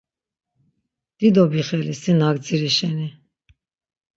Dido bixeli si na gdziri şeni.